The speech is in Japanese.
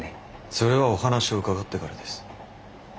それはお話を伺ってからです。